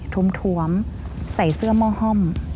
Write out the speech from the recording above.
ถวมใส่เสื้อหม้อห้อม